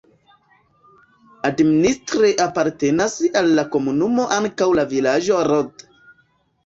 Administre apartenas al la komunumo ankaŭ la vilaĝo Rod.